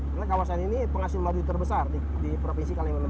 karena kawasan ini penghasil madu terbesar di provinsi kalimantan barat